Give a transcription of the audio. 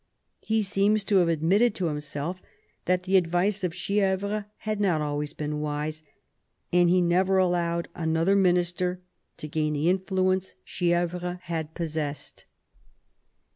He seems to have ad mitted to himself that the advice of Chievres had not always been wise, and he never allowed another minister to gain the influence Chievres had possessed.